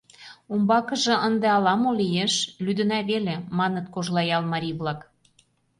Умбакыже ынде ала-мо лиеш, лӱдына веле, — маныт Кожлаял марий-влак.